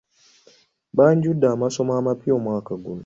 Banjudde amasomo amapya omwaka guno.